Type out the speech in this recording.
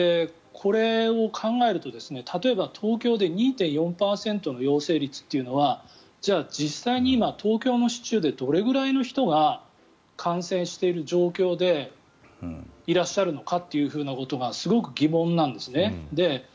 これを考えると例えば、東京で２．４％の陽性率というのはじゃあ、実際に今、東京の市中でどれくらいの人が感染している状況でいらっしゃるのかということがすごく疑問なんですね。